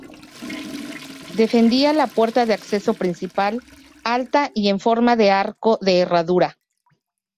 Defendía la puerta de acceso principal, alta y en forma de arco de herradura.